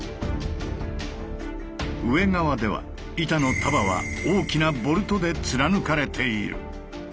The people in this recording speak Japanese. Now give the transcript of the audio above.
上側では板の束は大きなボルトで貫かれている。